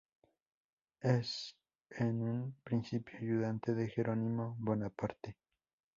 Es en un principio ayudante de Jerónimo Bonaparte.